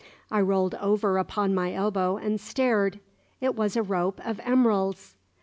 I rolled over upon my elbow and stared. It was a rope of emeralds.